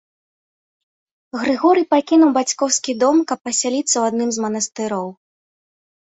Грыгорый пакінуў бацькоўскі дом, каб пасяліцца ў адным з манастыроў.